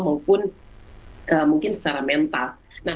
maupun mungkin secara mental